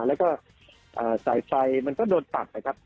แล้วก็สายไฟมันก็โดนตัดนะครับ